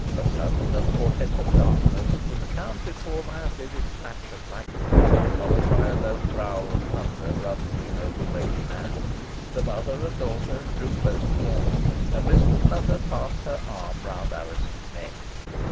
The sudden and portentous darkness was accounted for by a vivid flash of lightning, followed by a low growl of thunder rumbling over Whalley Nab. The mother and daughter drew close together, and Mistress Nutter passed her arm round Alizon's neck.